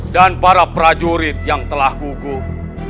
dan para prajurit yang telah gugup